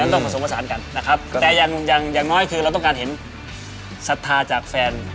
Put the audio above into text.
แต่อย่างน้อยคือที่เราต้องเห็นสัทธิ์ภาพแฟน